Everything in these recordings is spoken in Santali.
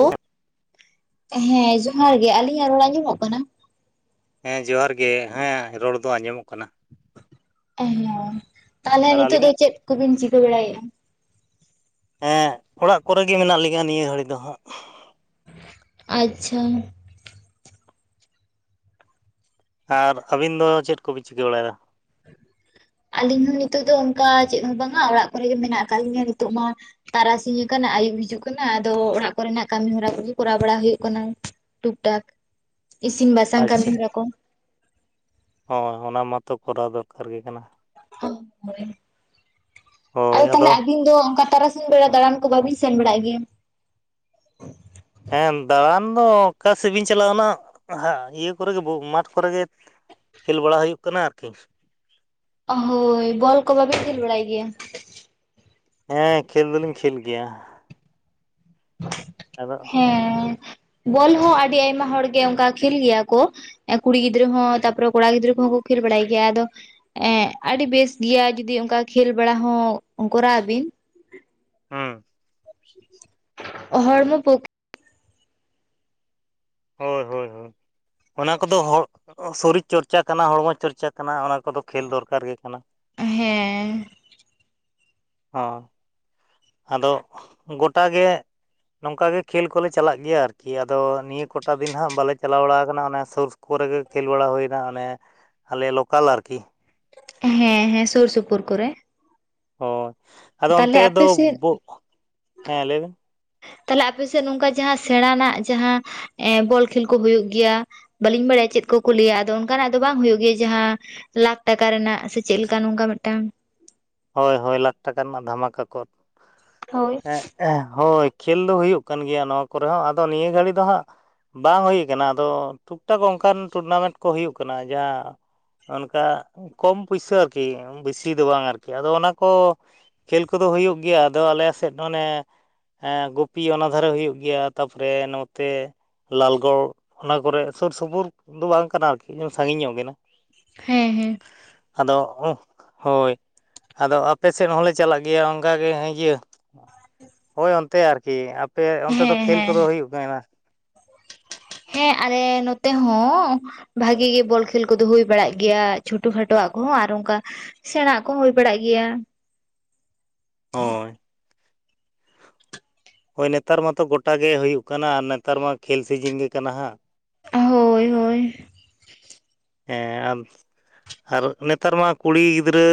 ᱚᱻ ᱦᱮᱸ ᱡᱚᱦᱟᱨ ᱜᱮ ᱟᱹᱞᱤᱧᱟᱜ ᱨᱚᱲ ᱟᱸᱡᱚᱢᱚᱜ ᱠᱟᱱᱟ? ᱦᱮᱸ ᱡᱚᱦᱟᱨ ᱜᱮ ᱦᱮᱸ ᱨᱚᱲ ᱫᱚ ᱟᱸᱡᱚᱢᱚᱜ ᱠᱟᱱᱟ᱾ ᱦᱮ ᱛᱟᱦᱚᱞᱮ ᱟᱨ ᱱᱤᱛᱚᱜ ᱫᱚ ᱟᱹᱞᱤᱧᱟᱜ ᱪᱮᱫ ᱠᱚᱵᱤᱱ ᱪᱤᱠᱟᱹ ᱵᱟᱲᱟᱭᱮᱫᱼᱟ? ᱦᱮᱸ ᱚᱲᱟᱹᱜ ᱠᱚᱨᱮ ᱜᱮ ᱢᱮᱱᱟᱜ ᱞᱤᱧᱟᱹ ᱱᱤᱭᱟᱹ ᱜᱷᱟᱹᱲᱤᱡ ᱫᱚ ᱦᱟᱸᱜ᱾ ᱟᱪᱪᱷᱟ᱾ ᱟᱨ ᱟᱹᱵᱤᱱ ᱫᱚ ᱪᱮᱫ ᱠᱚᱵᱤᱱ ᱪᱤᱠᱟᱹ ᱵᱟᱲᱟᱭ ᱫᱟ? ᱟᱞᱤᱧ ᱦᱚᱸ ᱱᱤᱛᱚᱜ ᱫᱚ ᱚᱱᱠᱟ ᱪᱮᱫ ᱦᱚᱸ ᱵᱟᱝᱟ ᱚᱲᱟᱜ ᱠᱚᱨᱮᱜ ᱜᱮ ᱢᱮᱱᱟᱜ ᱟᱠᱟᱫ ᱞᱤᱧᱟ ᱱᱤᱛᱚᱜ ᱢᱟ ᱛᱟᱨᱟᱥᱤᱧ ᱟᱠᱟᱱᱟ ᱟᱹᱭᱩᱵ ᱦᱤᱡᱩᱜ ᱠᱟᱱᱟ ᱟᱫᱚ ᱚᱲᱟᱹᱜ ᱠᱚᱨᱮᱱᱟᱹᱜ ᱠᱟᱹᱢᱤ ᱦᱚᱨᱟ ᱠᱚᱜᱮ ᱠᱚᱨᱟᱣ ᱵᱟᱲᱟ ᱦᱩᱭᱩᱹᱜ ᱠᱟᱱᱟ᱾ ᱴᱩᱠ ᱴᱟᱠ ᱤᱥᱤᱱ ᱵᱟᱥᱟᱝ ᱠᱟᱹᱢᱤ ᱟᱪᱪᱷᱟ ᱦᱚᱨᱟ ᱠᱚ᱾ ᱦᱳᱭ ᱚᱱᱟ ᱢᱟᱛᱚ ᱠᱚᱨᱟᱣ ᱫᱚᱨᱠᱟᱨ ᱜᱮ ᱠᱟᱱᱟ᱾ ᱚᱻ ᱦᱳᱭ ᱟᱫᱚ ᱛᱟᱦᱞᱮ ᱟᱵᱤᱱ ᱛᱚ ᱚᱱᱠᱟ ᱛᱟᱨᱟᱥᱤᱧ ᱵᱮᱲᱟ ᱫᱟᱬᱟᱱ ᱠᱚ ᱵᱟᱹᱵᱤᱱ ᱥᱮᱱ ᱵᱟᱲᱟᱜ ᱜᱮᱭᱟ? ᱦᱮᱸ ᱫᱟᱬᱟᱱ ᱫᱚ ᱚᱠᱟ ᱥᱮᱜᱵᱤᱱ ᱪᱟᱞᱟᱜᱼᱟᱱᱟ ᱤᱭᱟᱹ ᱠᱚᱨᱮ ᱜᱮ ᱢᱟᱴᱷ ᱠᱚᱨᱮ ᱜᱮ ᱠᱷᱮᱞ ᱵᱟᱲᱟ ᱦᱩᱭᱩᱜ ᱠᱟᱱᱟ ᱟᱨᱠᱤ᱾ ᱚᱻ ᱦᱳᱭ ᱵᱚᱞ ᱠᱚ ᱵᱟᱵᱮᱱ ᱠᱷᱮᱞ ᱵᱟᱲᱟᱭ ᱜᱮᱭᱟ? ᱦᱮᱸ ᱠᱷᱮᱞ ᱫᱚᱞᱤᱧ ᱠᱷᱮᱞ ᱜᱮᱭᱟ᱾ [unintelligible] ᱟᱫᱚ ᱦᱮᱸ ᱵᱚᱞ ᱦᱚᱸ ᱟᱹᱰᱤ ᱟᱭᱢᱟ ᱦᱚᱲ ᱜᱮ ᱚᱱᱠᱟ ᱠᱷᱮᱞ ᱜᱮᱭᱟ ᱠᱚ᱾ ᱠᱩᱲᱤ ᱜᱤᱫᱽᱨᱟᱹ ᱦᱚᱸ ᱛᱟᱨᱯᱚᱨᱮ ᱠᱚᱲᱟ ᱜᱤᱫᱽᱨᱟᱹ ᱠᱚᱦᱚᱸ ᱠᱚ ᱠᱷᱮᱞ ᱵᱟᱲᱟᱭ ᱜᱮᱭᱟ ᱟᱫᱚ ᱮᱸᱜ ᱟᱹᱰᱤ ᱵᱮᱥ ᱜᱮᱭᱟ ᱡᱩᱫᱤ ᱚᱱᱠᱟ ᱠᱷᱮᱞ ᱵᱟᱲᱟ ᱦᱚᱸ ᱠᱚᱨᱟᱣ ᱵᱤᱱ᱾ ᱦᱩᱸ᱾ ᱦᱚᱲᱢᱚ ᱯᱚᱠ ᱦᱳᱭ ᱦᱳᱭ ᱦᱳᱭ ᱚᱱᱟ ᱠᱚᱫᱚ ᱥᱚᱨᱤᱨ ᱪᱚᱨᱪᱟ ᱠᱟᱱᱟ ᱦᱚᱲᱢᱚ ᱪᱚᱨᱪᱟ ᱠᱟᱱᱟ ᱚᱱᱟ ᱠᱚᱫᱚ ᱠᱷᱮᱞ ᱫᱚᱨᱠᱟᱨ ᱜᱮ ᱠᱟᱱᱟ ᱾ ᱦᱮᱸᱻ ᱦᱚᱸ ᱟᱫᱚ ᱜᱚᱴᱟ ᱜᱮ ᱱᱚᱝᱠᱟ ᱜᱮ ᱠᱷᱮᱞ ᱠᱚᱞᱮ ᱪᱟᱞᱟᱜ ᱜᱮᱭᱟ ᱟᱨᱠᱤ ᱟᱫᱚ ᱱᱤᱭᱟᱹ ᱠᱚᱴᱟ ᱫᱤᱱ ᱫᱚ ᱦᱟᱸᱜ ᱵᱟᱞᱮ ᱪᱟᱞᱟᱣ ᱵᱟᱲᱟ ᱟᱠᱟᱱᱟ ᱚᱱᱟ ᱥᱩᱨ ᱼᱼ ᱠᱚᱨᱮ ᱜᱮ ᱠᱷᱮᱞ ᱵᱟᱲᱟ ᱦᱩᱭᱱᱟ ᱚᱱᱮ ᱟᱞᱮ ᱞᱳᱠᱟᱞ ᱟᱨᱠᱤ ᱾ ᱦᱮᱸ ᱦᱮᱸ ᱥᱩᱨ ᱥᱩᱯᱩᱨ ᱠᱚᱨᱮ ᱾ ᱦᱳᱭ ᱟᱫᱚ ᱚᱱᱛᱮ ᱫᱚ ᱟᱯᱮ ᱥᱮᱫ ᱦᱮᱸ ᱞᱟᱹᱭ ᱵᱤᱱ ᱾ ᱛᱟᱦᱚᱞᱮ ᱟᱯᱮ ᱥᱮᱫ ᱱᱚᱝᱠᱟ ᱡᱟᱦᱟᱸ ᱥᱮᱬᱟᱱᱟᱜ ᱡᱟᱦᱟᱸᱼᱼ ᱮ ᱵᱚᱞ ᱠᱷᱮᱞ ᱠᱚ ᱦᱩᱭᱩᱜ ᱜᱮᱭᱟ ᱵᱟᱹᱞᱤᱧ ᱵᱟᱲᱟᱭᱟ ᱪᱮᱫ ᱠᱚᱠᱚ ᱞᱟᱹᱭᱟ ᱟᱫᱚ ᱚᱱᱠᱟᱱᱟᱜ ᱫᱚ ᱵᱟᱝ ᱦᱩᱭᱩᱜ ᱜᱮᱭᱟ ᱡᱟᱦᱟᱸ ᱞᱟᱠᱷ ᱴᱟᱠᱟ ᱨᱮᱱᱟᱜ ᱥᱮ ᱪᱮᱫᱠᱟ ᱱᱚᱝᱠᱟ ᱢᱤᱫᱴᱟᱝ ᱦᱳᱭ ᱦᱳᱭ ᱞᱟᱠᱷ ᱴᱟᱠᱟ ᱨᱮᱱᱟᱜ ᱫᱷᱟᱢᱟᱠᱟ ᱠᱚ ᱦᱳᱭ ᱦᱮᱸ ᱾ ᱦᱳᱭ ᱠᱷᱮᱞ ᱫᱚ ᱦᱩᱭᱩᱜ ᱠᱟᱱ ᱜᱮᱭᱟ ᱱᱚᱣᱟ ᱠᱚᱨᱮ ᱦᱚᱸ ᱟᱫᱚ ᱱᱤᱭᱟᱹ ᱜᱷᱟᱨᱤᱡ ᱫᱚ ᱦᱟᱸᱜ ᱾ ᱵᱟᱝ ᱦᱩᱭ ᱠᱟᱱᱟ ᱟᱫᱚ ᱴᱩᱠ ᱴᱟᱠ ᱚᱱᱠᱟᱱ ᱴᱩᱨᱱᱟᱢᱮᱱᱴ ᱠᱚ ᱦᱩᱭᱩᱜ ᱠᱟᱱᱟ ᱡᱟᱦᱟᱸ ᱚᱱᱠᱟ ᱠᱚᱢ ᱯᱩᱭᱥᱟ ᱟᱨᱠᱤ ᱵᱤᱥᱤ ᱫᱚ ᱵᱟᱝ ᱟᱨ ᱟᱫᱚ ᱚᱱᱟ ᱠᱚ ᱠᱷᱮᱞ ᱠᱚᱫᱚ ᱦᱩᱭᱩᱜ ᱜᱮᱭᱟ ᱟᱫᱚ ᱟᱞᱮ ᱥᱮᱫ ᱚᱱᱮ ᱦᱮᱸ ᱜᱩᱯᱤ ᱚᱱᱟ ᱫᱷᱟᱨᱮ ᱦᱩᱭᱩᱜ ᱜᱮᱭᱟ, ᱛᱟᱯᱚᱨᱮ ᱱᱚᱛᱮ ᱞᱟᱞᱜᱚᱲ ᱚᱱᱟ ᱠᱚᱨᱮ ᱥᱩᱨ ᱥᱩᱯᱩᱨ ᱫᱚ ᱵᱟᱝ ᱠᱟᱱᱟ ᱟᱨᱠᱤ ᱥᱟᱹᱜᱤᱧ ᱧᱚᱜ ᱜᱮ ᱠᱟᱱᱟ ᱾ ᱦᱮᱸ ᱦᱮᱸ ᱾ ᱟᱫᱚ ᱦᱳᱭ ᱾ ᱟᱫᱚ ᱟᱯᱮ ᱥᱮᱫ ᱦᱚᱸᱞᱮ ᱪᱟᱞᱟᱜ ᱜᱮᱭᱟ ᱚᱱᱠᱟᱜᱮ ᱤᱭᱟᱹ ᱦᱳᱭ ᱚᱱᱛᱮ ᱟᱨᱠᱤ ᱾ ᱟᱯᱮ ᱚᱱᱛᱮ ᱫᱚ ᱦᱮᱸ ᱠᱷᱮᱞ ᱦᱮᱸ ᱠᱚᱫᱚ ᱦᱩᱭᱩᱜ ᱠᱟᱱᱟ ᱾ ᱦᱮᱸ ᱟᱞᱮ ᱱᱚᱛᱮ ᱦᱚᱸ ᱵᱷᱟᱜᱤ ᱜᱮ ᱵᱚᱞ ᱠᱷᱮᱞ ᱠᱚᱫᱚ ᱦᱩᱭ ᱵᱟᱨᱟᱜ ᱜᱮᱭᱟ ᱪᱷᱳᱴᱳ ᱠᱷᱟᱴᱚ ᱠᱷᱟᱴᱚ ᱣᱟᱜ ᱠᱚᱦᱚᱸ ᱟᱨ ᱚᱱᱠᱟ ᱥᱮᱬᱟᱜ ᱠᱚᱦᱚ ᱦᱩᱭ ᱵᱟᱲᱟᱜ ᱜᱮᱭᱟ ᱾ ᱦᱳᱭ ᱾ ᱦᱳᱭ ᱱᱮᱛᱟᱨ ᱢᱟᱛᱚ ᱜᱚᱴᱟᱜ ᱜᱮ ᱦᱩᱭᱩᱜ ᱠᱟᱱᱟ ᱟᱨ ᱱᱮᱛᱟᱨ ᱢᱟ ᱠᱷᱮᱞ ᱥᱤᱡᱤᱱ ᱜᱮ ᱠᱟᱱᱟ ᱦᱟᱸᱜ ᱾ ᱦᱳᱭ ᱦᱳᱭ ᱾ [unintelligible] ᱟᱨ ᱱᱮᱛᱟᱨ ᱢᱟ ᱠᱩᱲᱤ ᱜᱤᱫᱽᱨᱟᱹ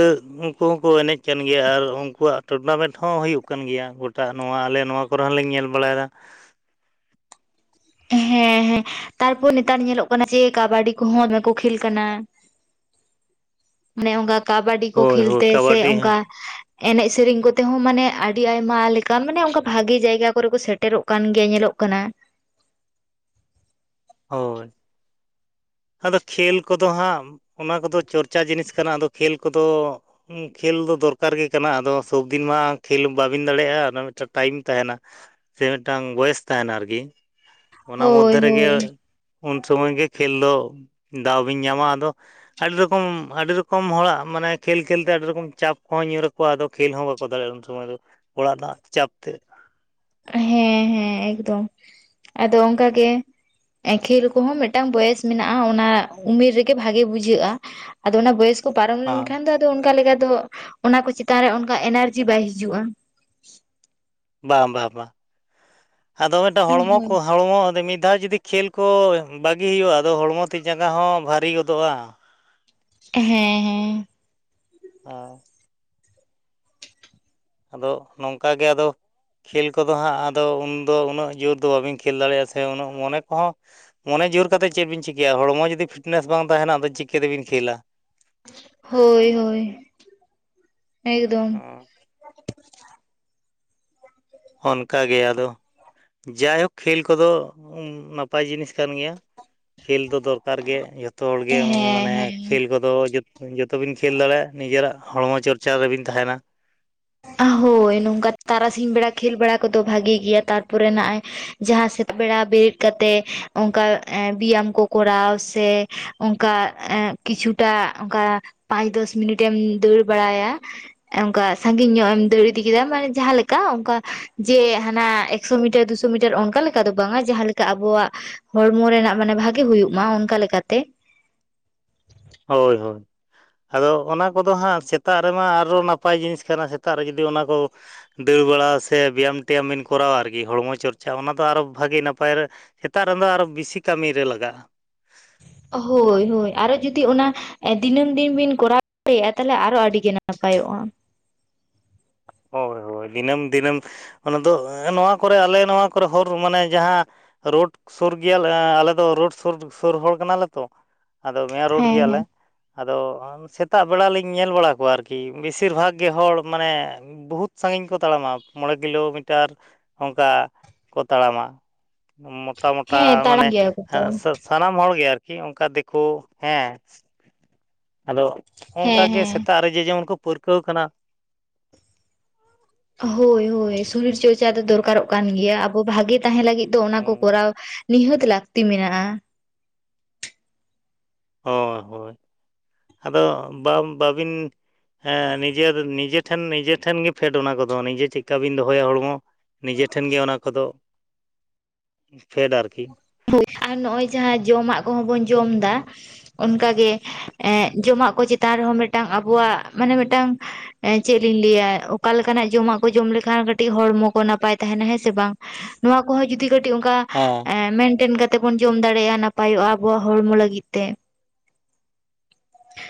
ᱩᱱᱠᱩ ᱦᱚᱸᱠᱚ ᱮᱱᱮᱡ ᱜᱮᱭᱟ ᱟᱨ ᱩᱱᱠᱩᱣᱟᱜ ᱴᱩᱨᱱᱟᱢᱮᱱᱴ ᱦᱚᱸ ᱦᱩᱭᱩᱜ ᱠᱟᱱ ᱜᱮᱭᱟ ᱜᱚᱴᱟ ᱱᱚᱣᱟ ᱟᱞᱮ ᱱᱚᱣᱟ ᱠᱚᱨᱮ ᱦᱚᱸᱞᱮ ᱧᱮᱞ ᱵᱟᱲᱟᱭᱮᱫᱟ ᱾ ᱦᱮᱸ ᱦᱮᱸ ᱛᱟᱨᱯᱚᱨ ᱱᱮᱛᱟᱨ ᱧᱮᱞᱚᱜ ᱠᱟᱱᱟ ᱡᱮ ᱠᱟᱵᱟᱰᱤ ᱠᱚᱦᱚᱸ ᱫᱚᱢᱮ ᱠᱚ ᱠᱷᱮᱞ ᱠᱟᱱᱟ ᱾ [unintelligible] ᱢᱟᱱᱮ ᱚᱱᱠᱟ ᱠᱟᱵᱟᱰᱤ ᱠᱚ ᱦᱳᱭ ᱦᱳᱭ ᱠᱷᱮᱞᱛᱮ ᱥᱮ ᱠᱟᱵᱟᱰᱤ ᱚᱱᱠᱟ ᱮᱱᱮᱡ ᱥᱮᱨᱮᱧ ᱠᱚᱛᱮ ᱦᱚᱸ ᱢᱟᱱᱮ ᱟᱹᱰᱤ ᱟᱭᱢᱟ ᱞᱮᱠᱟᱱ ᱢᱟᱱᱮ ᱚᱱᱠᱟ ᱵᱷᱟᱜᱮ ᱡᱟᱭᱜᱟ ᱠᱚᱨᱮ ᱠᱚ ᱥᱮᱴᱮᱨᱚᱜ ᱠᱟᱱ ᱜᱮᱭᱟ ᱧᱮᱞᱚᱜ ᱠᱟᱱᱟ ᱾ ᱦᱳᱭ ᱾ ᱟᱫᱚ ᱠᱷᱮᱞ ᱠᱚᱫᱚ ᱦᱟᱸᱜ ᱚᱱᱟ ᱠᱚᱫᱚ ᱪᱚᱨᱪᱟ ᱡᱤᱱᱤᱥ ᱠᱟᱱᱟ ᱟᱫᱚ ᱠᱷᱮᱞ ᱠᱚᱫᱚ ᱠᱷᱮᱞ ᱫᱚ ᱫᱚᱨᱠᱟᱨ ᱜᱮ ᱠᱟᱱᱟ ᱟᱫᱚ ᱥᱚᱵᱫᱤᱱ ᱢᱟ ᱠᱷᱮᱞ ᱵᱟᱹᱵᱤᱱ ᱫᱟᱲᱮᱭᱟᱜᱼᱟ ᱚᱱᱟ ᱢᱤᱫᱴᱮᱱ ᱴᱟᱭᱤᱢ ᱛᱟᱦᱮᱱᱟ ᱾ ᱥᱮ ᱢᱤᱫᱴᱟᱝ ᱵᱚᱭᱮᱥ ᱛᱟᱦᱮᱱᱟ ᱟᱨᱠᱤ ᱚᱱᱟ ᱦᱳᱭ ᱢᱚᱫᱫᱷᱮ ᱨᱮᱜᱮ ᱦᱳᱭ ᱩᱱ ᱥᱚᱢᱚᱭ ᱜᱮ ᱠᱷᱮᱞ ᱫᱚ ᱫᱟᱣ ᱵᱤᱱ ᱧᱟᱢᱟ ᱟᱫᱚ ᱟᱹᱰᱤ ᱨᱚᱠᱚᱢ ᱟᱹᱰᱤ ᱨᱚᱠᱚᱢ ᱦᱚᱲᱟᱜ ᱢᱟᱱᱮ ᱠᱷᱮᱞ ᱠᱷᱮᱞᱛᱮ ᱟᱹᱰᱤ ᱨᱚᱠᱚᱢ ᱪᱟᱯ ᱠᱚᱦᱚᱸ ᱧᱩᱨ ᱟᱠᱚᱣᱟ, ᱟᱫᱚ ᱠᱷᱮᱞ ᱦᱚᱸ ᱵᱟᱠᱚ ᱫᱟᱲᱮᱭᱟᱜᱼᱟ ᱩᱱ ᱥᱚᱢᱚᱭ ᱫᱚ ᱚᱲᱟᱜ ᱨᱮᱱᱟᱜ ᱪᱟᱯ ᱛᱮ᱾ ᱦᱮᱸ ᱦᱮᱸ ᱮᱠᱫᱚᱢ, ᱟᱫᱚ ᱚᱱᱠᱟᱜ ᱜᱮ ᱠᱷᱮᱞ ᱠᱚᱦᱚᱸ ᱢᱤᱫᱴᱟᱝ ᱵᱚᱭᱮᱥ ᱢᱮᱱᱟᱜᱼᱟ ᱚᱱᱟ ᱩᱢᱮᱨ ᱨᱮᱜᱮ ᱵᱷᱟᱜᱮ ᱵᱩᱡᱷᱟᱹᱜᱼᱟ ᱾ ᱟᱫᱚ ᱚᱱᱟ ᱵᱚᱭᱮᱥ ᱠᱚ ᱯᱟᱨᱚᱢ ᱞᱮᱱᱠᱷᱟᱱ ᱫᱚ ᱟᱫᱚ ᱚᱱᱠᱟ ᱞᱮᱠᱟ ᱫᱚ ᱚᱱᱟ ᱠᱚ ᱪᱮᱛᱟᱱ ᱨᱮ ᱚᱱᱠᱟ ᱮᱱᱟᱨᱡᱤ ᱵᱟᱭ ᱦᱤᱡᱩᱜᱼᱟ ᱾ ᱵᱟᱝ ᱵᱟᱝ ᱵᱟᱝ, ᱟᱫᱚ ᱢᱤᱫᱴᱟᱝ ᱦᱚᱲᱢᱚ ᱦᱳᱭ ᱠᱚ ᱦᱚᱲᱢᱚ, ᱢᱤᱫ ᱫᱷᱟᱣ ᱡᱩᱫᱤᱼᱼ ᱠᱷᱮᱞ ᱠᱚ ᱵᱟᱹᱜᱤ ᱦᱩᱭᱩᱜᱼᱟ, ᱟᱫᱚ ᱦᱚᱲᱢᱚ ᱛᱤ ᱡᱟᱸᱜᱟ ᱦᱚᱸ ᱵᱷᱟᱨᱤ ᱜᱚᱫᱚᱜᱼᱟ᱾ ᱦᱮᱸ ᱦᱮᱸ, ᱚᱻ ᱟᱫᱚ ᱱᱚᱝᱠᱟ ᱜᱮ ᱟᱫᱚ ᱠᱷᱮᱞ ᱠᱚᱫᱚ ᱦᱟᱸᱜ ᱟᱫᱚ ᱩᱱᱫᱚ, ᱩᱱᱟᱹᱜ ᱡᱳᱨ ᱫᱚ ᱵᱟᱹᱵᱤᱱ ᱠᱷᱮᱞ ᱫᱟᱲᱮᱭᱟᱜᱼᱟ ᱥᱮ, ᱩᱱᱟᱹᱜ ᱢᱚᱱᱮ ᱠᱚᱦᱚᱸ ᱢᱚᱱᱮ ᱡᱳᱨ ᱠᱟᱛᱮᱫ ᱪᱮᱫ ᱵᱤᱱ ᱪᱤᱠᱟᱹᱭᱟ, ᱦᱚᱲᱢᱚ ᱡᱩᱫᱤ ᱯᱷᱤᱴᱱᱮᱥ ᱵᱟᱝ ᱛᱟᱦᱮᱱᱟ ᱟᱫᱚ ᱪᱤᱠᱟᱹ ᱛᱮᱵᱤᱱ ᱠᱷᱮᱞᱟ᱾ ᱦᱳᱭ ᱦᱳᱭ, ᱮᱠᱫᱚᱢ᱾ ᱚᱱᱠᱟᱜᱮ ᱟᱫᱚ ᱡᱟᱭᱦᱳᱠ, ᱠᱷᱮᱞ ᱠᱚᱫᱚ ᱱᱟᱯᱟᱭ ᱡᱤᱱᱤᱥ ᱠᱟᱱ ᱜᱮᱭᱟ᱾ ᱠᱷᱮᱞ ᱫᱚ ᱫᱚᱨᱠᱟᱨ ᱜᱮ, ᱡᱚᱛᱚ ᱦᱚᱲᱜᱮ ᱦᱮᱸ ᱢᱟᱱᱮ ᱦᱮᱸ ᱠᱷᱮᱞ ᱠᱚ ᱫᱚ ᱡᱚᱛ ᱡᱚᱛᱚᱵᱤᱱ ᱠᱷᱮᱞ ᱫᱟᱲᱮᱭᱟᱜᱼᱟ, ᱱᱤᱡᱮᱨᱟᱜ ᱦᱚᱲᱢᱚ ᱪᱚᱨᱪᱟ ᱨᱮᱵᱤᱱ ᱛᱟᱦᱮᱱᱟ᱾ ᱦᱳᱭ, ᱱᱚᱝᱠᱟ ᱛᱟᱨᱟᱥᱤᱧ ᱵᱮᱲᱟ ᱜᱷᱮᱞ ᱵᱟᱲᱟ ᱠᱚᱫᱚ ᱵᱷᱟᱜᱤ ᱜᱮᱭᱟ, ᱛᱟᱨᱯᱚᱨᱮ ᱱᱚᱜᱼᱚᱭ ᱡᱟᱦᱟ ᱥᱮᱛᱟᱜ ᱵᱮᱲᱟ ᱵᱮᱨᱮᱫ ᱠᱟᱛᱮᱜ, ᱚᱱᱠᱟ ᱮ ᱵᱮᱭᱟᱢ ᱠᱚ ᱠᱚᱨᱟᱣ ᱥᱮ ᱚᱱᱠᱟ ᱮ ᱠᱤᱪᱷᱩᱴᱟ ᱚᱱᱠᱟ ᱯᱟᱸᱪ ᱫᱚᱥ ᱢᱤᱱᱤᱴ ᱮᱢ ᱫᱟᱹᱲ ᱵᱟᱲᱟᱭᱟ [unintelligible] ᱥᱟᱸᱜᱤᱧ ᱧᱚᱜ ᱮᱢ ᱫᱟᱹᱲ ᱤᱫᱤ ᱠᱮᱫᱟ, ᱢᱟᱱᱮ ᱡᱟᱦᱟ ᱞᱮᱠᱟ, ᱚᱱᱠᱟ ᱡᱮ ᱦᱟᱱᱟ ᱮᱠᱥᱚ ᱢᱤᱴᱟᱨ ᱫᱩᱥᱚ ᱢᱤᱴᱟᱨ ᱚᱱᱠᱟ ᱞᱮᱠᱟ ᱚᱱᱠᱟ ᱫᱚ ᱵᱟᱝ ᱟ, ᱡᱟᱦᱟᱸ ᱞᱮᱠᱟ ᱟᱵᱚᱣᱟᱜ ᱦᱚᱲᱢᱚ ᱨᱮᱱᱟᱜ ᱢᱟᱱᱮ ᱵᱷᱟᱜᱮ ᱦᱩᱭᱩᱜ ᱢᱟ ᱚᱱᱠᱟ ᱞᱮᱠᱟᱛᱮ᱾ ᱦᱳᱭ ᱦᱳᱭ, ᱟᱫᱚ ᱚᱱᱟ ᱠᱚᱫᱚ ᱦᱟᱸᱜ ᱥᱮᱛᱟᱜ ᱨᱮᱢᱟ ᱟᱨᱚ ᱱᱟᱯᱟᱭ ᱡᱤᱱᱤᱥ ᱠᱟᱱᱟ᱾ ᱥᱮᱛᱟᱜ ᱨᱮ ᱡᱩᱫᱤ ᱚᱱᱟ ᱠᱚ ᱫᱟᱹᱲ ᱵᱟᱲᱟ ᱥᱮ ᱵᱮᱭᱟᱢ ᱴᱮᱭᱟᱢ ᱵᱤᱱ ᱠᱚᱨᱟᱣᱟ ᱟᱨᱠᱤ, ᱦᱚᱲᱢᱚ ᱪᱚᱨᱪᱟ ᱚᱱᱟᱫᱚ ᱟᱨᱚ ᱵᱷᱟᱜᱮ ᱱᱟᱯᱟᱭ ᱨᱮ ᱥᱮᱛᱟᱜ ᱨᱮᱫᱚ ᱟᱨᱚ ᱵᱮᱥᱤ ᱠᱟᱹᱢᱤᱨᱮ ᱞᱟᱜᱟᱜᱼᱟ᱾ ᱦᱳᱭ ᱦᱳᱭ, ᱟᱨᱚ ᱡᱩᱫᱤ ᱚᱱᱟ ᱫᱤᱱᱟᱹᱢ ᱫᱤᱱ ᱵᱤᱱ ᱠᱚᱨᱟᱣ ᱫᱟᱲᱮᱭᱟᱜᱼᱟ, ᱛᱟᱦᱚᱞᱮ ᱟᱨᱚ ᱟᱹᱰᱤᱜᱮ ᱱᱟᱯᱟᱭᱚᱜᱼᱟ᱾ ᱦᱳᱭ ᱦᱳᱭ, ᱫᱤᱱᱟᱹᱢ ᱫᱤᱱᱟᱹᱢ ᱚᱱᱟ ᱫᱚ, ᱱᱚᱣᱟ ᱠᱚᱨᱮ ᱟᱞᱮ ᱱᱚᱣᱟ ᱠᱚᱨᱮ ᱦᱚᱨ ᱢᱟᱱᱮ ᱡᱟᱦᱟᱸ ᱨᱳᱰ ᱥᱳᱨ ᱜᱮᱭᱟᱞᱮ, ᱟᱞᱮ ᱫᱚ ᱨᱳᱰ ᱥᱳᱨ ᱥᱳᱨ ᱦᱚᱲ ᱠᱟᱱᱟᱞᱮ ᱛᱚ, ᱟᱫᱚ ᱢᱮ ᱨᱳᱰ ᱦᱮᱸ ᱜᱮᱭᱟᱞᱮ, ᱦᱮᱸ ᱟᱫᱚ ᱥᱮᱛᱟᱜ ᱵᱮᱲᱟ ᱞᱤᱧ ᱧᱮᱞ ᱵᱟᱲᱟ ᱠᱚᱣᱟ ᱟᱨᱠᱤ, ᱵᱮᱥᱤᱨ ᱵᱷᱟᱜᱽ ᱜᱮ ᱦᱚᱲ ᱢᱟᱱᱮ ᱵᱚᱦᱩᱛ ᱥᱟᱺᱜᱤᱧ ᱠᱚ ᱛᱟᱲᱟᱢᱟ ᱢᱚᱬᱮ ᱠᱤᱞᱳᱢᱤᱴᱟᱨ, ᱚᱱᱠᱟ ᱠᱚ ᱛᱟᱲᱟᱢᱟ᱾ ᱢᱚᱴᱟ ᱢᱚᱴᱟ ᱦᱮᱸ ᱢᱟᱱᱮ, ᱛᱟᱲᱟᱢ ᱜᱮᱭᱟ ᱠᱚᱛᱚ ᱥᱟ ᱥᱟᱱᱟᱢ ᱦᱚᱲᱜᱮ ᱟᱨᱠᱤ ᱚᱱᱠᱟ ᱫᱮᱠᱳ ᱦᱮᱸ, ᱟᱫᱚ ᱚᱝᱠᱟ ᱦᱮᱸ ᱜᱮ, ᱦᱮᱸ ᱥᱮᱛᱟᱜ ᱨᱮ ᱡᱮ ᱡᱮᱢᱚᱱ ᱠᱚ ᱯᱟᱹᱨᱠᱟᱹᱣ ᱠᱟᱱᱟ᱾ ᱦᱳᱭ ᱦᱳᱭ ᱥᱚᱨᱤᱨ ᱪᱚᱨᱪᱟ ᱫᱚ ᱫᱚᱨᱠᱟᱨᱚᱜ ᱠᱟᱱ ᱜᱮᱭᱟ, ᱟᱵᱚ ᱵᱷᱟᱜᱮ ᱛᱟᱦᱮᱸ ᱞᱟᱹᱜᱤᱫ ᱫᱚ ᱚᱱᱟ ᱠᱚ ᱦᱩᱸ ᱠᱚᱨᱟᱣ ᱱᱤᱦᱟᱹᱛ ᱞᱟᱹᱠᱛᱤ ᱢᱮᱱᱟᱜᱼᱟ᱾ ᱦᱳᱭ ᱦᱳᱭ, ᱟᱫᱚ ᱵᱟᱢ ᱵᱟᱵᱤᱱ ᱦᱮᱸ ᱱᱤᱡᱮᱨ ᱱᱤᱡᱮ ᱴᱷᱮᱱ, ᱱᱤᱡᱮ ᱴᱷᱮᱱ ᱜᱮ ᱯᱷᱮᱰ ᱚᱱᱟ ᱠᱚᱫᱚ, ᱱᱤᱡᱮ ᱪᱮᱫᱠᱟ ᱵᱤᱱ ᱫᱚᱦᱚᱭᱟ ᱦᱚᱲᱢᱚ᱾ ᱱᱤᱡᱮ ᱴᱷᱮᱱ ᱜᱮ ᱚᱱᱟ ᱠᱚᱫᱚ ᱯᱷᱮᱰ ᱟᱨᱠᱤ, ᱦᱳᱭ, ᱟᱨ ᱱᱚᱶᱭ ᱡᱟᱦᱟᱸ ᱡᱚᱢᱟᱜ ᱠᱚᱦᱚᱸ ᱵᱚᱱ ᱡᱚᱢ ᱮᱫᱟ ᱚᱱᱠᱟ ᱜᱮ ᱮᱸᱜ ᱡᱚᱢᱟᱜ ᱠᱚ ᱪᱮᱛᱟᱱ ᱨᱮᱦᱚᱸ ᱢᱮᱫᱴᱟᱝ, ᱟᱵᱚᱣᱟᱜ ᱢᱟᱱᱮ ᱢᱤᱫᱴᱟᱝ, ᱮ ᱪᱮᱫ ᱞᱤᱧ ᱞᱟᱹᱭᱟ, ᱚᱠᱟ ᱞᱮᱠᱟᱱᱟᱜ ᱡᱚᱢᱟᱜ ᱠᱚ ᱡᱚᱢ ᱞᱮᱠᱷᱟᱱ ᱠᱟᱹᱴᱤᱡ ᱦᱚᱲᱢᱚ ᱠᱚ ᱱᱟᱯᱟᱭ ᱛᱟᱦᱮᱱᱟ ᱦᱮᱸ ᱥᱮ ᱵᱟᱝ, ᱱᱚᱣᱟ ᱠᱚᱦᱚᱸ ᱡᱩᱫᱤ ᱠᱟᱹᱴᱤᱡ ᱚᱱᱠᱟ-' ᱦᱮᱸ, ᱢᱮᱱᱴᱮᱱ ᱠᱟᱛᱮᱜ ᱵᱚᱱ ᱡᱚᱢ ᱫᱟᱲᱮᱭᱟᱜᱼᱟ, ᱱᱟᱯᱟᱭᱚᱜᱼᱟ ᱟᱵᱚᱣᱟᱜ ᱦᱚᱲᱢᱚ ᱞᱟᱹᱜᱤᱫ ᱛᱮ᱾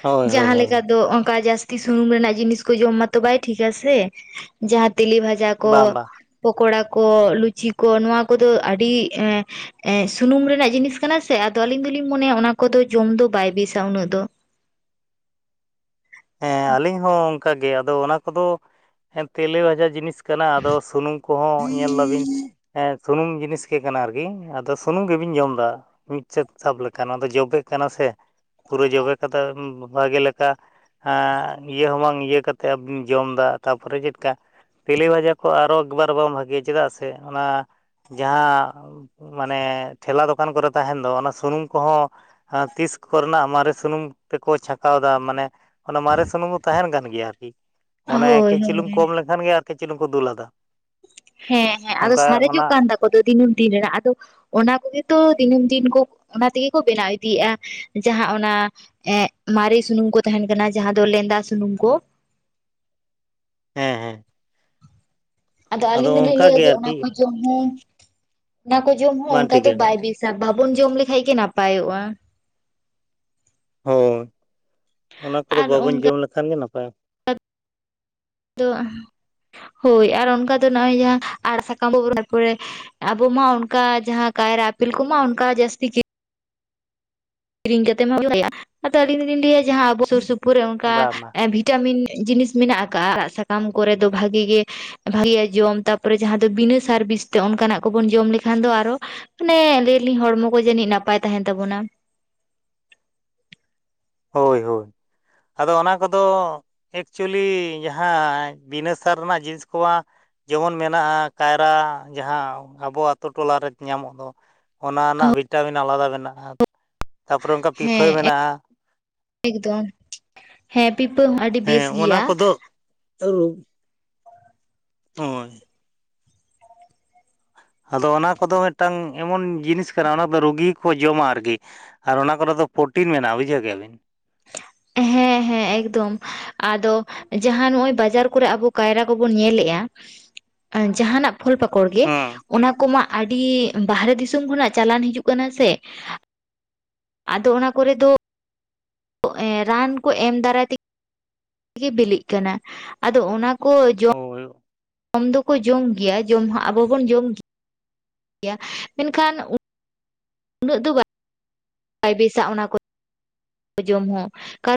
ᱦᱳᱭ ᱦᱳᱭ ᱡᱟᱦᱟᱸ ᱦᱳᱭ ᱞᱮᱠᱟ ᱫᱚ ᱚᱱᱠᱟ ᱡᱟᱥ ᱛᱤ ᱥᱩᱱᱩᱢ ᱨᱮᱱᱟᱜ ᱡᱤᱱᱤᱥ ᱠᱚ ᱡᱚᱢ ᱢᱟᱛᱚ ᱵᱟᱭ ᱴᱦᱤᱠᱟ ᱥᱮ, ᱡᱟᱦᱟᱸ ᱛᱮᱞᱮ ᱵᱷᱟᱡᱟ ᱠᱚ, ᱵᱟᱝ ᱵᱟᱝ ᱯᱳᱠᱳᱲᱟ ᱠᱚ, ᱞᱩᱪᱤ ᱠᱚ, ᱱᱚᱣᱭᱟ ᱠᱚᱫᱚ ᱟᱹᱰᱤ ᱮ ᱮ ᱥᱩᱱᱩᱢ ᱨᱮᱱᱟᱜ ᱡᱤᱱᱤᱥ ᱠᱟᱱᱟ ᱥᱮ ᱟᱫᱚ ᱟᱞᱤᱧ ᱫᱚᱞᱤᱧ ᱢᱚᱱᱮᱭᱟ ᱚᱱᱟ ᱠᱚᱫᱚ ᱡᱚᱢ ᱫᱚ ᱵᱟᱭ ᱵᱮᱥᱟ ᱩᱱᱟᱹᱜ ᱫᱚ ᱦᱮᱸ ᱟᱹᱞᱤᱧ ᱦᱚᱸ ᱚᱱᱠᱟᱜᱮ ᱟᱫᱚ ᱚᱱᱟ ᱠᱚᱫᱚ ᱦᱮᱸ ᱛᱮᱞᱮ ᱵᱷᱟᱡᱟ ᱡᱤᱱᱤᱥ ᱠᱟᱱᱟ ᱟᱫᱚ ᱥᱩᱱᱩᱢ ᱠᱚᱦᱚᱸ ᱧᱮᱞ ᱟᱹᱵᱤᱱ ᱦᱮᱸ ᱥᱩᱱᱩᱢ ᱡᱤᱱᱤᱥ ᱜᱮ ᱠᱟᱱᱟ ᱟᱨᱠᱤ ᱟᱫᱚ ᱥᱩᱱᱩᱢ ᱜᱮᱵᱤᱱ ᱡᱚᱢ ᱫᱟ ᱢᱤᱫ ᱥᱮᱫ ᱥᱟᱵ ᱞᱮᱠᱟ ᱱᱚᱣᱟ ᱫᱚ ᱡᱚᱵᱮ ᱠᱟᱱᱟ ᱥᱮ ᱯᱩᱨᱟᱹ ᱡᱚᱵᱮ ᱠᱟᱛᱮ ᱵᱷᱟᱜᱮ ᱞᱮᱠᱟ ᱮ ᱤᱭᱟᱹ ᱦᱚᱸ ᱵᱟᱝ ᱤᱭᱟᱹ ᱠᱟᱛᱮᱫᱤᱱ ᱡᱚᱢᱫᱟ ᱛᱟᱨᱯᱚᱨᱮ ᱪᱮᱫ ᱞᱮᱠᱟ ᱛᱮᱞᱮ ᱵᱷᱟᱡᱟ ᱠᱚ ᱟᱨᱚ ᱮᱠᱵᱟᱨᱮ ᱵᱟᱝ ᱵᱷᱟᱹᱜᱮᱭᱟ ᱪᱮᱫᱟᱜ ᱥᱮ ᱚᱱᱟ ᱡᱟᱦᱟᱸ ᱢᱟᱱᱮ ᱴᱷᱮᱞᱟ ᱫᱚᱠᱟᱱ ᱠᱚᱨᱮ ᱛᱟᱦᱮᱱ ᱫᱚ ᱚᱱᱟ ᱥᱩᱱᱩᱢ ᱠᱚᱦᱚᱸ ᱟᱨ ᱛᱤᱥ ᱠᱚᱨᱮᱱᱟᱜ ᱢᱟᱨᱮ ᱥᱩᱱᱩᱢ ᱛᱮᱠᱚ ᱪᱷᱟᱠᱟᱣᱫᱟ ᱢᱟᱱᱮ ᱚᱱᱟᱮ ᱢᱟᱨᱮ ᱥᱩᱱᱩᱢ ᱦᱚᱸ ᱛᱟᱦᱮᱱ ᱠᱟᱱ ᱜᱮᱭᱟ ᱟᱨᱠᱤ ᱚᱱᱮ ᱦᱳᱭ ᱠᱟᱹᱡ ᱪᱩᱞᱩᱝ ᱠᱚᱢ ᱦᱳᱭ ᱞᱮᱠᱷᱟᱱ ᱜᱮ ᱟᱨ ᱠᱟᱹᱡ ᱠᱚ ᱫᱩᱞ ᱟᱫᱟ ᱦᱮᱸ ᱦᱮᱸ ᱟᱫᱚ ᱥᱟᱨᱮᱡᱚᱜ ᱠᱟᱱ ᱛᱟᱠᱚ ᱫᱚ ᱫᱤᱱᱟᱹᱢ ᱫᱤᱱ ᱨᱮᱱᱟᱜ ᱟᱫᱚ ᱚᱱᱟ ᱠᱚᱜᱮ ᱛᱚ ᱫᱤᱱᱟᱹᱢ ᱫᱤᱱ ᱠᱚ ᱚᱱᱟ ᱛᱮᱜᱮ ᱠᱚ ᱵᱮᱱᱟᱣ ᱤᱫᱤᱭᱮᱫ-ᱟ ᱡᱟᱦᱟᱸ ᱚᱱᱟ ᱮᱜ ᱢᱟᱨᱮ ᱥᱩᱱᱩᱢ ᱠᱚ ᱛᱟᱦᱮᱱ ᱠᱟᱱᱟ ᱡᱟᱦᱟᱸ ᱫᱚ ᱞᱮᱸᱫᱟ ᱥᱩᱱᱩᱢ ᱠᱚ ᱦᱮᱸ ᱦᱮᱸ ᱟᱫᱚ ᱟᱹᱞᱤᱧ ᱫᱚ ᱞᱤᱧ ᱚᱱᱠᱟ ᱞᱟᱹᱭᱟ ᱜᱮ ᱡᱮ ᱚᱱᱟ ᱟᱨᱠᱤ ᱠᱚ ᱡᱚᱢ ᱦᱚᱸ ᱚᱱᱟ ᱠᱚ ᱡᱚᱢ ᱦᱚᱸ ᱵᱟᱝ ᱚᱱᱠᱟ ᱫᱚ ᱴᱷᱤᱠᱟ ᱵᱟᱭ ᱵᱤᱥ ᱥᱟ ᱵᱟᱵᱚᱱ ᱡᱚᱢ ᱞᱮᱠᱷᱟᱡ ᱜᱮ ᱱᱟᱯᱟᱭᱚᱜ-ᱟ ᱦᱚᱸ ᱚᱱᱟ ᱠᱚᱫᱚ ᱵᱟᱵᱚᱱ ᱡᱚᱢ ᱞᱮᱠᱷᱟᱱ ᱜᱮ ᱱᱟᱯᱟᱭ ᱟᱫ ᱫᱚ ᱚᱱᱟ ᱦᱳᱭ ᱟᱨ ᱚᱱᱠᱟ ᱫᱚ ᱱᱚᱦᱚᱭ ᱡᱟᱦᱟᱸ ᱟᱲ ᱥᱟᱠᱟᱢ [inaudible] ᱟᱵᱚᱢ ᱢᱟ ᱚᱱᱠᱟ ᱡᱟᱦᱟᱸ ᱠᱟᱭᱨᱟ ᱟᱯᱤᱞ ᱠᱚᱢᱟ ᱚᱱᱠᱟ ᱡᱟᱹᱥᱛᱤ ᱜᱤ ᱠᱤᱨᱤᱧ ᱠᱟᱛᱮᱜ ᱢᱟ [inaudible] ᱟᱫᱚ ᱞᱤᱧ ᱫᱚᱞᱤᱧ ᱞᱟᱹᱭᱟ ᱡᱟᱦᱟᱸ ᱟᱵᱚ ᱥᱩᱨ ᱥᱩᱯᱩᱨ ᱨᱮ ᱚᱱᱠᱟ ᱵᱟᱝ ᱵᱟᱝ ᱵᱷᱤᱛ ᱪᱟᱢᱤᱱ ᱡᱤᱱᱤᱥ ᱢᱮᱱᱟᱜ ᱟᱠᱟᱜᱟ ᱟᱲᱟᱜ ᱥᱟᱠᱟᱢ ᱠᱚᱨᱮ ᱫᱚ ᱵᱷᱟᱜᱤ ᱜᱮ ᱵᱷᱟᱜᱤᱭᱟ ᱡᱚᱢ ᱛᱟᱨᱯᱚᱨᱮ ᱡᱟᱦᱟᱸ ᱫᱚ ᱵᱤᱱᱟᱹ ᱥᱟᱨ ᱵᱤᱥ ᱛᱮ ᱚᱱᱠᱟᱱᱟᱜ ᱠᱚᱵᱚᱱ ᱡᱚᱢ ᱞᱮᱠᱷᱟᱱ ᱫᱚ ᱟᱨᱚ ᱢᱟᱱᱮ ᱞᱟᱹᱭ ᱟᱞᱤᱧ ᱦᱚᱲᱢᱚ ᱠᱚ ᱡᱟᱹᱱᱤᱡ ᱱᱟᱯᱟᱭ ᱛᱟᱦᱮᱱ ᱛᱟᱵᱚᱱᱟ ᱦᱳᱭ ᱦᱳᱭ ᱟᱫᱚ ᱚᱱᱟ ᱠᱚᱫᱚ ᱮᱠᱪᱩᱭᱮᱞᱤ ᱡᱟᱦᱟᱸ ᱵᱤᱱᱟᱹ ᱥᱟᱨ ᱨᱮᱱᱟᱜ ᱡᱤᱱᱤᱥ ᱠᱚᱢᱟ ᱡᱮᱢᱚᱱ ᱢᱮᱱᱟᱜ-ᱟ ᱠᱟᱭᱨᱟ ᱡᱟᱦᱟᱸ ᱟᱵᱚ ᱟᱛᱳ ᱴᱚᱚᱞᱟᱨᱮ ᱧᱟᱢᱚᱜ ᱫᱚ᱾ ᱚᱱᱟ ᱨᱮᱱᱟᱜ ᱵᱷᱤᱴᱟᱢᱤᱱ ᱟᱞᱟᱫᱟ ᱢᱮᱱᱟᱜ-ᱟ ᱛᱟᱯᱚᱨᱮ ᱚᱱᱠᱟ ᱯᱤᱯᱷᱟᱹ ᱦᱮᱸ ᱢᱮᱱᱟᱜ-ᱟ ᱮᱠᱫᱚᱢ ᱦᱮᱸ ᱯᱤᱯᱟᱹ ᱦᱚᱸ ᱟᱹᱰᱤ ᱵᱮᱥ ᱜᱮᱭᱟ᱾ ᱟᱞᱩ ᱦᱳᱭ ᱟᱫᱚ ᱚᱱᱟ ᱠᱚᱫᱚ ᱢᱤᱫᱴᱟᱝ ᱮᱢᱚᱱ ᱡᱤᱱᱤᱥ ᱠᱟᱱᱟ ᱚᱱᱟᱫᱚ ᱨᱩᱜᱤ ᱠᱚ ᱡᱚᱢᱟ ᱟᱨᱠᱤ ᱟᱨ ᱚᱱᱟ ᱠᱚᱨᱮ ᱫᱚ ᱯᱨᱳᱴᱤᱱ ᱢᱮᱱᱟᱜ-ᱟ ᱵᱩᱡᱷᱟᱹᱣ ᱠᱮᱭᱟᱵᱤᱱ ᱦᱮᱸ ᱦᱮᱸ ᱮᱠᱫᱚᱢ ᱟᱫᱚ ᱡᱟᱦᱟᱸ ᱱᱚᱜᱚᱭ ᱵᱟᱡᱟᱨ ᱠᱚᱨᱮ ᱟᱵᱚ ᱠᱟᱭᱨᱟ ᱠᱚᱵᱚᱱ ᱧᱮᱞᱮᱜ-ᱟ ᱡᱟᱦᱟᱸᱱᱟᱜ ᱯᱷᱚᱞ ᱯᱟᱠᱚᱲ ᱜᱮ ᱦᱮᱸ ᱚᱱᱟ ᱠᱚᱢᱟ ᱟᱹᱰᱤ ᱵᱟᱦᱨᱮ ᱫᱤᱥᱚᱢ ᱠᱷᱚᱱᱟᱜ ᱪᱟᱞᱟᱱ ᱦᱤᱡᱩᱜ ᱠᱟᱱᱟ ᱥᱮ ᱟᱫᱚ ᱚᱱᱟ ᱠᱚᱨᱮ ᱫᱚ ᱨᱟᱱ ᱠᱚ ᱮᱢ ᱫᱟᱨᱟᱭ ᱛᱮ ᱜᱤ ᱵᱤᱞᱤᱜ ᱠᱟᱱᱟ ᱟᱫᱚ ᱚᱱᱟ ᱠᱚ ᱡᱚ ᱦᱳᱭ ᱡᱚᱢ ᱫᱚᱠᱚ ᱡᱚᱢ ᱜᱮᱭᱟ ᱡᱚᱢ ᱦᱚᱸ ᱟᱵᱚᱵᱚᱱ ᱡᱚᱢ ᱜᱮᱭᱟ ᱜᱮᱭᱟᱹ ᱢᱮᱱᱠᱷᱟᱱ ᱩᱱᱟᱹᱜ ᱫᱚ ᱵᱟ ᱵᱟᱭ ᱵᱮᱥᱟᱜ-ᱟ ᱚᱱᱟ ᱠᱚ ᱡᱚᱢ ᱦᱚᱸ ᱠᱟ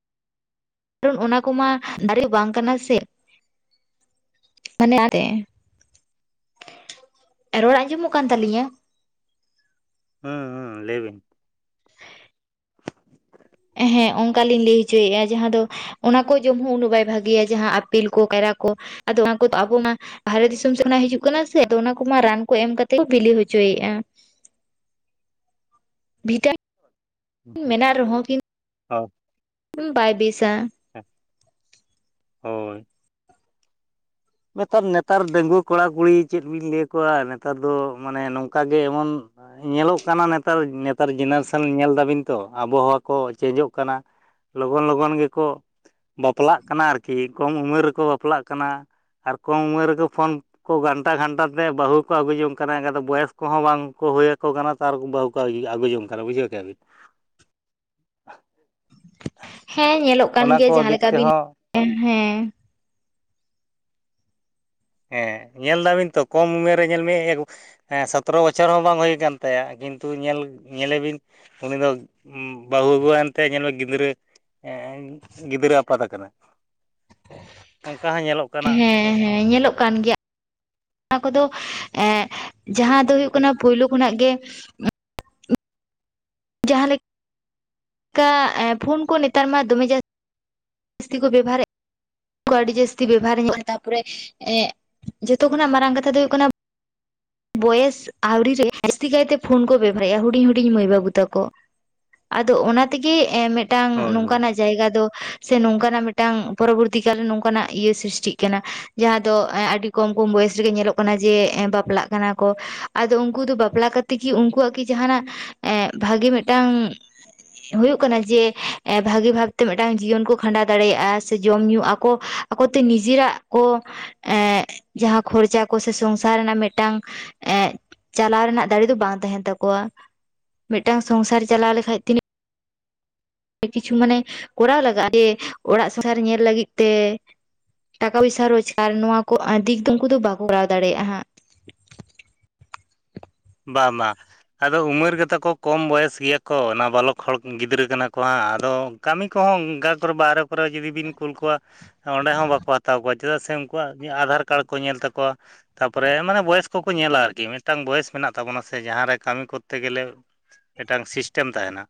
ᱠᱟᱨᱚᱱ ᱚᱱᱟ ᱠᱚᱢᱟ ᱫᱟᱨᱮ ᱵᱟᱝ ᱠᱟᱱᱟ ᱥᱮ ᱢᱟᱱᱮ [unintelligible] ᱨᱚᱲ ᱟᱸᱡᱚᱢᱚᱜ ᱠᱟᱱ ᱛᱟᱞᱤᱧᱟ? ᱦᱟᱸ ᱦᱟᱸ ᱞᱟᱹᱭ ᱵᱤᱱ? ᱦᱮᱸ ᱚᱱᱠᱟ ᱞᱤᱧ ᱞᱟᱹᱭ ᱦᱚᱪᱚᱭᱮᱫᱼᱟ ᱡᱟᱦᱟᱸ ᱫᱚ ᱚᱱᱟ ᱠᱚ ᱡᱚᱢ ᱦᱚᱸ ᱩᱱᱟᱹᱜ ᱵᱟᱭ ᱵᱷᱟᱹᱜᱤᱭᱟ ᱡᱟᱦᱟᱸ ᱟᱯᱮᱞ ᱠᱚ ᱠᱟᱭᱨᱟ ᱠᱚ ᱟᱫᱚ ᱚᱱᱟ ᱠᱚᱫᱚ ᱟᱵᱚ ᱢᱟ ᱵᱟᱦᱨᱮ ᱫᱤᱥᱚᱢ ᱥᱮᱛ ᱠᱷᱚᱱᱟ ᱦᱤᱡᱩᱜ ᱠᱟᱱᱟ ᱥᱮ ᱟᱫᱚ ᱚᱱᱟ ᱠᱚᱢᱟ ᱨᱟᱱ ᱠᱚ ᱮᱢ ᱠᱟᱛᱮᱜ ᱠᱚ ᱵᱤᱞᱤ ᱦᱚᱪᱚᱭᱮᱫᱼᱟ᱾ [inaudible] ᱵᱷᱤᱴᱟᱢᱤᱱ ᱢᱮᱱᱟᱜ ᱨᱮᱦᱚᱸ ᱠᱤᱱᱛᱩ ᱚᱻ ᱦᱩᱸ ᱵᱟᱭ ᱵᱤᱥᱟ᱾ ᱦᱮᱸ ᱦᱳᱭ᱾ ᱱᱮᱛᱟᱨ ᱱᱮᱛᱟᱨ ᱰᱟᱸᱜᱩᱣᱟᱹ ᱠᱚᱲᱟ ᱠᱩᱲᱤ ᱪᱮᱫ ᱵᱤᱱ ᱞᱟᱹᱭ ᱠᱚᱣᱟ ᱱᱮᱛᱟᱨ ᱫᱚ ᱢᱟᱱᱮ ᱱᱚᱝᱠᱟᱜ ᱜᱮ ᱮᱢᱚᱱ ᱧᱮᱞᱚᱜ ᱠᱟᱱᱟ ᱱᱮᱛᱟᱨ ᱱᱮᱛᱟᱨ ᱡᱮᱱᱟᱨᱮᱥᱮᱱ ᱧᱮᱞ ᱫᱟᱹᱵᱤᱱ ᱛᱚ ᱟᱵᱚᱦᱟᱣᱟ ᱠᱚ ᱪᱮᱧᱡᱚᱜ ᱠᱟᱱᱟ᱾ ᱞᱚᱜᱚᱱ ᱞᱚᱜᱚᱱ ᱜᱮᱠᱚ ᱵᱟᱯᱞᱟᱜ ᱠᱟᱱᱟ ᱟᱨᱠᱤ ᱠᱚᱢ ᱩᱢᱮᱨ ᱨᱮᱠᱚ ᱵᱟᱯᱞᱟᱜ ᱠᱟᱱᱟ᱾ ᱟᱨ ᱠᱚᱢ ᱩᱢᱮᱨ ᱨᱮᱠᱚ ᱯᱷᱳᱱ ᱠᱚ ᱜᱷᱟᱱᱴᱟ ᱜᱷᱟᱱᱴᱟ ᱛᱮ ᱵᱟᱹᱦᱩ ᱦᱚᱠᱚ ᱟᱹᱜᱩ ᱡᱚᱝ ᱠᱟᱱᱟ ᱮᱠᱟ ᱫᱚ ᱵᱚᱭᱮᱥ ᱠᱚᱦᱚᱸ ᱵᱟᱝᱠᱚ ᱦᱩᱭ ᱟᱠᱚ ᱠᱟᱱᱟ᱾ ᱟᱨ ᱵᱟᱹᱦᱩ ᱠᱚ ᱟᱹᱜᱩ ᱡᱚᱝ ᱠᱟᱱᱟ ᱵᱩᱡᱷᱟᱹᱣ ᱠᱮᱭᱟᱵᱤᱱ᱾ ᱦᱮᱸ ᱧᱮᱞᱚᱜ ᱠᱟᱱ ᱚᱱᱟ ᱜᱮᱭᱟ ᱠᱚ ᱫᱤᱠ ᱡᱟᱦᱟᱸᱞᱮᱠᱟ ᱵᱤᱱ ᱛᱮᱦᱚᱸ [unintelligible] ᱦᱮᱸ᱾ ᱦᱮᱸ ᱧᱮᱞ ᱫᱟᱵᱤᱱ ᱛᱚ ᱠᱚᱢ ᱩᱢᱮᱨ ᱨᱮ ᱧᱮᱞ ᱢᱮ ᱦᱮᱸ ᱥᱚᱛᱨᱚ ᱵᱚᱪᱷᱚᱨ ᱦᱚᱸ ᱵᱟᱝ ᱦᱩᱭ ᱟᱠᱟᱱ ᱛᱟᱭᱟ ᱠᱤᱱᱛᱩ ᱧᱮᱞ ᱧᱮᱞᱮᱵᱤᱱ ᱩᱱᱤ ᱫᱚ ᱵᱟᱦᱩ ᱟᱜᱩᱣᱟᱱ ᱛᱮ ᱧᱮᱞ ᱢᱮ ᱜᱤᱫᱽᱨᱟᱹ ᱜᱤᱫᱽᱨᱟᱹ ᱟᱯᱟᱛ ᱟᱠᱟᱱᱟ᱾ ᱚᱱᱠᱟ ᱦᱚᱸ ᱧᱮᱞᱚᱜ ᱠᱟᱱᱟ ᱦᱮᱸ ᱦᱮᱸ ᱧᱮᱞᱚᱜ ᱠᱟᱱ ᱜᱮᱭᱟ᱾ ᱚᱱᱟ ᱠᱚᱫᱚ ᱮᱻ ᱡᱟᱦᱟᱸ ᱫᱚ ᱦᱩᱭᱩᱜ ᱠᱟᱱᱟ ᱯᱳᱭᱞᱳ ᱠᱷᱚᱱᱟᱜ ᱜᱮ᱾ ᱡᱟᱦᱟᱸ ᱞᱮᱠᱟ ᱯᱷᱳᱱ ᱠᱚ ᱱᱮᱛᱟᱨ ᱢᱟ ᱫᱚᱢᱮ ᱡᱟ ᱥᱛᱤ ᱠᱚ ᱵᱮᱚᱦᱟᱨ ᱮᱫ ᱟᱹᱰᱤ ᱡᱟᱹᱥᱛᱤ ᱵᱮᱵᱷᱟᱨ ᱡᱚᱝ ᱛᱟᱯᱚᱨᱮ ᱮᱸᱜ ᱡᱚᱛᱚ ᱠᱷᱚᱱᱟᱜ ᱢᱟᱨᱟᱝ ᱠᱟᱛᱷᱟ ᱫᱚ ᱦᱩᱭᱩᱜ ᱠᱟᱱᱟ ᱵᱚᱭᱮᱥ ᱟᱣᱨᱤ ᱨᱮ ᱡᱟᱥᱛᱤ ᱠᱟᱭᱛᱮ ᱯᱷᱳᱱ ᱠᱚ ᱵᱮᱵᱦᱟᱨᱮᱜᱼᱟ ᱦᱩᱰᱤᱧ ᱦᱩᱰᱤᱧ ᱢᱟᱹᱭ ᱵᱟᱹᱵᱩ ᱛᱟᱠᱚ᱾ ᱟᱫᱚ ᱚᱱᱟ ᱛᱮᱜᱮ ᱢᱤᱫᱴᱟᱝ ᱦᱳᱭ ᱦᱳᱭ ᱱᱚᱝᱠᱟᱱᱟᱜ ᱡᱟᱭᱜᱟ ᱫᱚ ᱥᱮ ᱱᱚᱝᱠᱟᱱᱟᱜ ᱢᱤᱫᱴᱟᱝ ᱯᱚᱨᱚᱵᱚᱨᱛᱤ ᱠᱟᱞᱨᱮ ᱱᱚᱝᱠᱟᱱᱟᱜ ᱤᱭᱟᱹ ᱥᱨᱤᱥᱴᱤᱜ ᱠᱟᱱᱟ᱾ ᱡᱟᱦᱟᱸ ᱫᱚ ᱮᱜ ᱟᱹᱰᱤ ᱠᱚᱢ ᱠᱚᱢ ᱵᱚᱭᱮᱥ ᱨᱮᱜᱮ ᱧᱮᱞᱚᱜ ᱠᱟᱱᱟ ᱡᱮ ᱵᱟᱯᱞᱟᱜ ᱠᱟᱱᱟ ᱠᱚ ᱟᱫᱚ ᱩᱱᱠᱩ ᱫᱚ ᱵᱟᱯᱞᱟ ᱠᱟᱛᱮ ᱠᱤ ᱩᱱᱠᱩᱣᱟᱜ ᱠᱤ ᱡᱟᱦᱟᱱᱟᱜ ᱮᱸᱜ ᱵᱷᱟᱹᱜᱮ ᱢᱤᱫᱴᱟᱝ ᱦᱩᱭᱩᱜ ᱠᱟᱱᱟ ᱡᱮ ᱵᱷᱟᱹᱜᱤ ᱵᱷᱟᱵᱛᱮ ᱢᱤᱫᱴᱟᱝ ᱡᱤᱭᱚᱱ ᱠᱚ ᱠᱷᱟᱸᱰᱟᱣ ᱫᱟᱲᱮᱭᱟᱜᱼᱟ ᱥᱮ ᱡᱚᱢ ᱧᱩ ᱟᱠᱚ ᱟᱠᱚᱛᱮ ᱱᱤᱡᱮᱨᱟᱜ ᱠᱚ ᱮᱻ ᱡᱟᱦᱟᱸ ᱠᱷᱚᱨᱪᱟ ᱠᱚ ᱥᱮ ᱥᱚᱝᱥᱟᱨ ᱨᱮᱱᱟᱜ ᱢᱤᱫᱴᱟᱝ ᱮᱸᱜ ᱪᱟᱞᱟᱣ ᱨᱮᱱᱟᱜ ᱫᱟᱲᱮ ᱫᱚ ᱵᱟᱝ ᱛᱟᱦᱮᱱ ᱛᱟᱠᱚᱣᱟ᱾ ᱢᱤᱫᱴᱟᱝ ᱥᱚᱝᱥᱟᱨ ᱪᱟᱞᱟᱣ ᱞᱮᱠᱷᱟᱡ ᱛᱤᱱᱟᱹᱜ ᱠᱤᱪᱷᱩ ᱢᱟᱱᱮ ᱠᱚᱨᱟᱣ ᱞᱟᱜᱟᱜᱼᱟ ᱡᱮ ᱚᱲᱟᱜ ᱥᱚᱝᱥᱟᱨ ᱧᱮᱞ ᱞᱟᱹᱜᱤᱫ ᱛᱮ ᱴᱟᱠᱟ ᱯᱚᱭᱥᱟ ᱨᱳᱡᱽᱜᱟᱨ ᱱᱚᱣᱟ ᱠᱚ ᱫᱤᱠ ᱫᱚ ᱩᱱᱠᱩ ᱫᱚ ᱵᱟᱠᱚ ᱠᱚᱨᱟᱣ ᱫᱟᱲᱮᱭᱟᱜᱼᱟ ᱦᱟᱸᱜ᱾ ᱵᱟᱝ ᱵᱟᱝ᱾ ᱟᱫᱚ ᱩᱢᱮᱨ ᱜᱮᱛᱟ ᱠᱚ ᱠᱚᱢ ᱵᱚᱭᱮᱥ ᱜᱮᱭᱟ ᱠᱚ ᱚᱱᱟ ᱵᱟᱞᱚᱠ ᱦᱚᱲ ᱜᱤᱫᱽᱨᱟᱹ ᱠᱟᱱᱟ ᱠᱚ ᱦᱟᱸᱜ ᱟᱫᱚ ᱠᱟᱹᱢᱤ ᱠᱚᱦᱚᱸ ᱚᱱᱠᱟ ᱠᱚᱨᱮ ᱵᱟᱦᱨᱮ ᱠᱚᱨᱮ ᱡᱩᱫᱤ ᱵᱤᱱ ᱠᱩᱞ ᱠᱚᱣᱟ ᱚᱸᱰᱮ ᱦᱚᱸ ᱵᱟᱠᱚ ᱦᱟᱛᱟᱣ ᱠᱚᱣᱟ ᱪᱮᱫᱟᱜ ᱥᱮ ᱩᱱᱠᱩᱣᱟᱜ ᱟᱫᱷᱟᱨ ᱠᱟᱨᱰ ᱠᱚ ᱧᱮᱞ ᱛᱟᱠᱚᱣᱟ᱾ ᱛᱟᱯᱚᱨᱮ ᱢᱟᱱᱮ ᱵᱚᱭᱮᱥ ᱠᱚᱠᱚ ᱧᱮᱞᱟ ᱟᱨᱠᱤ ᱢᱤᱫᱴᱟᱝ ᱵᱚᱭᱮᱥ ᱢᱮᱱᱟᱜ ᱛᱟᱵᱚᱱᱟ ᱥᱮ ᱡᱟᱦᱟᱸ ᱨᱮ ᱠᱟᱹᱢᱤ ᱠᱚᱨᱛᱮ ᱜᱮᱞᱮ ᱢᱤᱫᱴᱟᱝ ᱥᱤᱥᱴᱮᱢ ᱛᱟᱦᱮᱱᱟ᱾